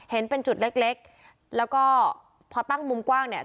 เห็นเป็นจุดเล็กเล็กแล้วก็พอตั้งมุมกว้างเนี่ย